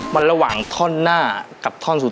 มันระหว่างท่อนหน้ากับท่อนสูง